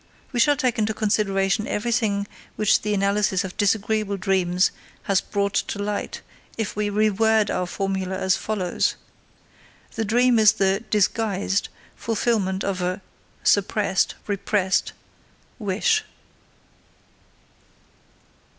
We shall take into consideration everything which the analysis of disagreeable dreams has brought to light if we reword our formula as follows: The dream is the (disguised) fulfillment of a (suppressed, repressed) wish.